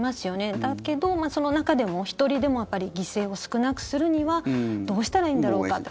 だけど、その中でも１人でも犠牲を少なくするにはどうしたらいいんだろうかと。